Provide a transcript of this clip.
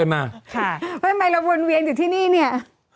ทำไมเราวนเวียนอยู่ที่นี่เนี่ย